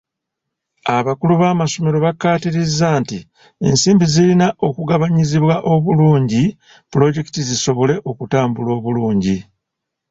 Abakulu b'amasomero bakkaatiriza nti ensimbi zirina okugabanyizibwa obulungi pulojekiti zisobole okutambula obulingi.